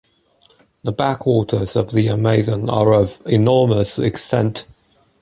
The back-waters of the Amazon are of enormous extent.